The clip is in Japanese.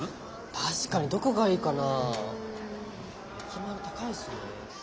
確かにどこがいいかな。